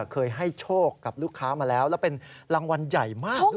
เคยให้โชคกับลูกค้ามาแล้วแล้วเป็นรางวัลใหญ่มากด้วย